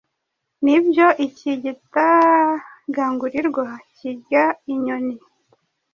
nibyo iki gitagangurirwa kirya inyoni,